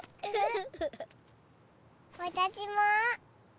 わたしも。